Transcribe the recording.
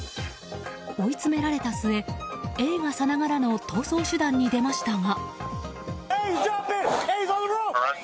追い詰められた末映画さながらの逃走手段に出ましたが。